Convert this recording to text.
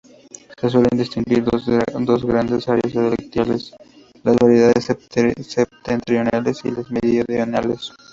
Se suelen distinguir dos grandes áreas dialectales: las variedades septentrionales y las meridionales.